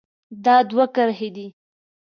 دا دوه کرښې دي.